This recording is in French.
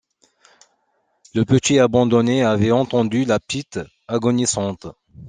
Le petit abandonné avait entendu la petite agonisante.